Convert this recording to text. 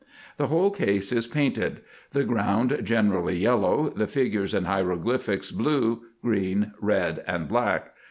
The whole case is painted ; the ground generally yellow, the figures and hieroglyphics blue, green, red, and black.